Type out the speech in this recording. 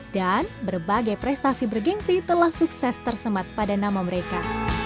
dan berbagai prestasi bergensi telah sukses tersemat pada nama mereka